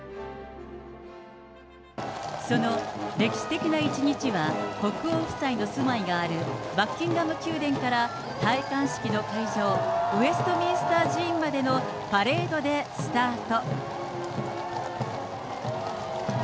その歴史的な一日は国王夫妻の住まいがあるバッキンガム宮殿から戴冠式の会場、ウェストミンスター寺院までのパレードでスタート。